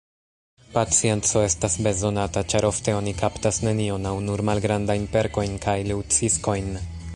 Pacienco estas bezonata, ĉar ofte oni kaptas nenion aŭ nur malgrandajn perkojn kaj leŭciskojn.